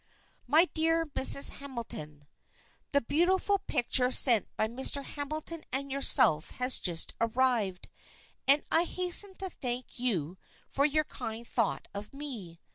"My Dear Mrs. Hamilton: "The beautiful picture sent by Mr. Hamilton and yourself has just arrived, and I hasten to thank you for your kind thought of me.